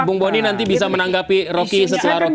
bung bonny nanti bisa menanggapi rocky setelah rocky